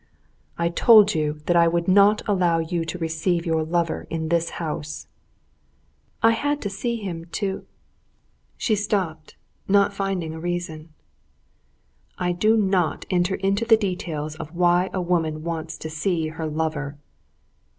"I told you that I would not allow you to receive your lover in this house." "I had to see him to...." She stopped, not finding a reason. "I do not enter into the details of why a woman wants to see her lover."